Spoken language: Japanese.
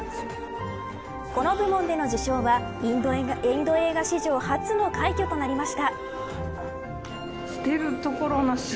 この部門での受賞はインド映画史上初の快挙となりました。